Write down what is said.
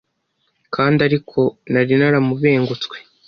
Kandi ariko nari nanamubengutswe